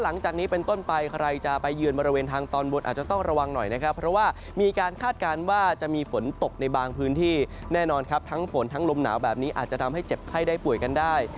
ลมหนาวแบบนี้อาจจะทำให้เจ็บไข้ได้ป่วยกันได้